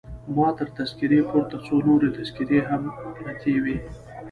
زما تر تذکیرې پورته څو نورې تذکیرې هم پرتې وې.